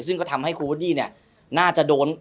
ซึ่งก็ทำให้ครูโว๊ดดี้น่าจะโดน